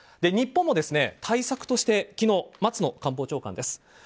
日本も対策として昨日、松野官房長官です。